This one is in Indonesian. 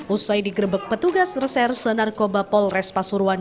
usai di grebek petugas reserse narkoba polres pasuruan